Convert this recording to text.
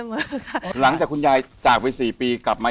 มีรูปคุณยายอยู่ในบ้าน